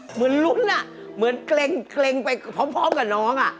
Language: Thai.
เหมือนลุ้นเหมือนเกร็งไปพร้อมกับน้อง